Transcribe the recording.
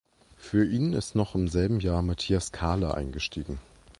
Für ihn ist noch im selben Jahr Matthias Karle eingestiegen.